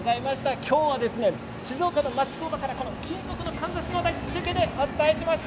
今日は静岡の町工場から金属のかんざしの話題をお伝えしました。